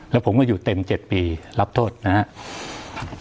แล้วผมก็อยู่เต็ม๗ปีรับโทษนะครับ